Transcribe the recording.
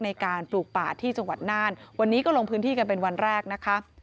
ในการปลูกป่าที่จังหวัดน่านวันนี้ก็ลงพื้นที่กันเป็นวันแรกนะคะ